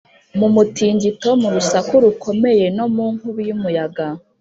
mu mutingito, mu rusaku rukomeye, no mu nkubi y’umuyaga,